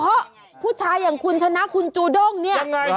แต่สุดท้ายยอมกินให้ดูนิดนึง